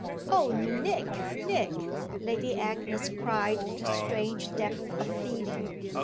"Oh Nick, Nick!" Lady Agnes cried with a strange depth of feeling.